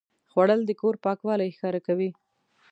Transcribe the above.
خوړل د کور پاکوالی ښکاره کوي